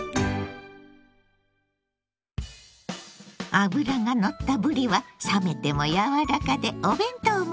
脂がのったぶりは冷めても柔らかでお弁当向き。